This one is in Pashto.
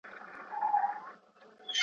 زه ترتیب خوښوم.